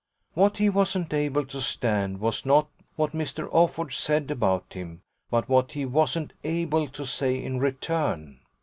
What he wasn't able to stand was not what Mr. Offord said about him, but what he wasn't able to say in return.